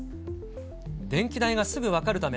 電気代がすぐ分かるため、